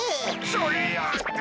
そいや！